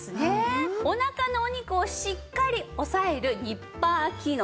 おなかのお肉をしっかりおさえるニッパー機能。